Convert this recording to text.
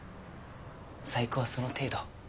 細工はその程度。